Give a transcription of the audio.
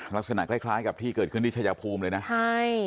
ลักษณะคล้ายคล้ายกับที่เกิดขึ้นที่ชายภูมิเลยนะใช่